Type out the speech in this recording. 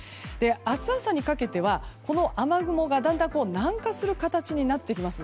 明日朝にかけてはこの雨雲がだんだん南下する形になってきます。